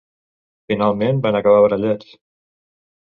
Finalment van acabar barallats.